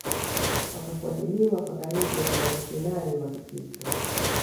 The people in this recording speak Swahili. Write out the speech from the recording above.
Wakafuatiliwa kwa karibu na wamishionari wa kikristo